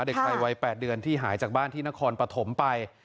เด็กชายวัย๘เดือนที่หายจากบ้านที่นครปฐมไป